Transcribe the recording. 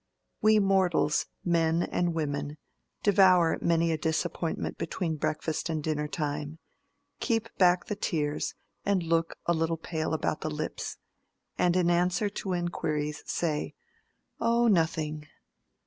We mortals, men and women, devour many a disappointment between breakfast and dinner time; keep back the tears and look a little pale about the lips, and in answer to inquiries say, "Oh, nothing!"